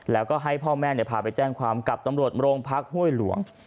แล้วก็ให้พ่อแม่พาไปแจ้งความกับตำรวจโรงพักห้วยหลวง